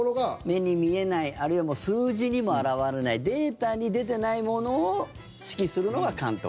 目に見えないあるいは数字にも表れないデータに出ていないものを指揮するのが監督。